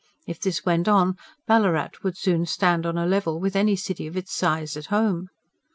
If this went on, Ballarat would soon stand on a level with any city of its size at home.